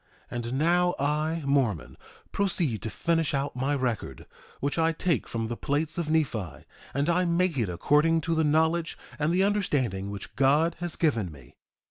1:9 And now I, Mormon, proceed to finish out my record, which I take from the plates of Nephi; and I make it according to the knowledge and the understanding which God has given me.